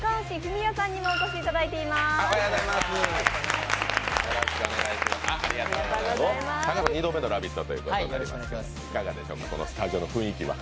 高橋さん、２度目の「ラヴィット！」ということでいかがでしょうか、このスタジオの雰囲気は。